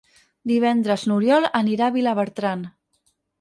Divendres n'Oriol anirà a Vilabertran.